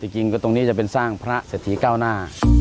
จริงตรงนี้จะเป็นสร้างพระเศรษฐีเก้าหน้า